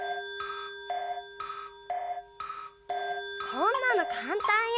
そんなのかんたんよ。